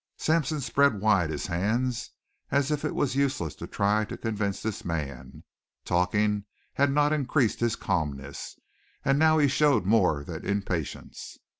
Sampson spread wide his hands as if it was useless to try to convince this man. Talking had not increased his calmness, and he now showed more than impatience.